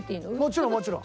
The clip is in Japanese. もちろんもちろん。